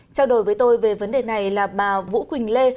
trao đổi với tôi về vấn đề này là bà vũ quỳnh lê